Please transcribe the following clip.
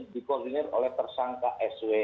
dikoordinir oleh tersangka sw